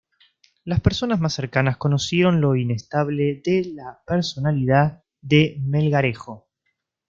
Las personas más cercanas conocieron lo inestable de la personalidad de Melgarejo.